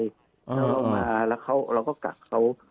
เขามาแล้วเราก็กัดเขา